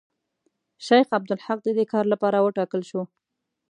شیخ عبدالحق د دې کار لپاره وټاکل شو.